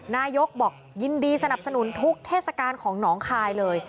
นายกบอกยินดีสนับสนุนทุกเทศกาลของหนองคายเลย